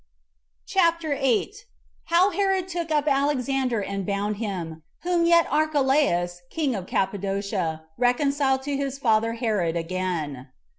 CHAPTER 8. How Herod Took Up Alexander And Bound Him; Whom Yet Archelaus King Of Cappadocia Reconciled To His Father Herod Again.